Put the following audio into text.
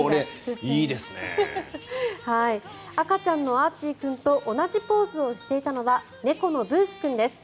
赤ちゃんのアーチー君と同じポーズをしていたのは猫のブース君です。